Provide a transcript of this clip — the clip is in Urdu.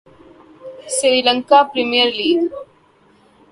سری لنکا پریمئرلیگ